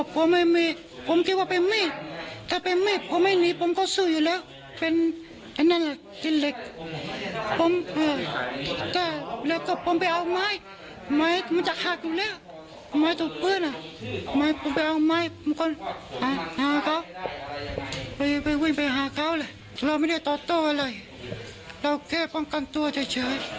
พี่พูดอะไรบ้างไหมตอนที่เขาทำร้ายเราได้ห้ามได้บอกเขาว่าเออโยชน์ขอร้อง